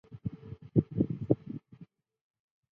正门上方的玫瑰窗使用了花窗玻璃。